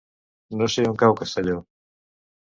No sé on cau Castelló.